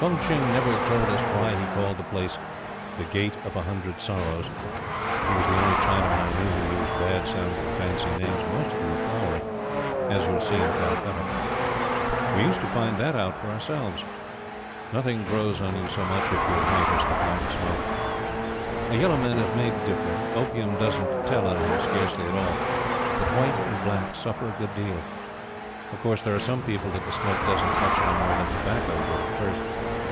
Fung Tching never told us why he called the place "The Gate of a Hundred Sorrows." (He was the only Chinaman I know who used bad sounding fancy names. Most of them are flowery. As you'll see in Calcutta.) We used to find that out for ourselves. Nothing grows on you so much, if you're white, as the Black Smoke. A yellow man is made different. Opium doesn't tell on him scarcely at all; but white and black suffer a good deal. Of course, there are some people that the Smoke doesn't touch any more than tobacco would at first.